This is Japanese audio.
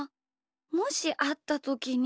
もしあったときに。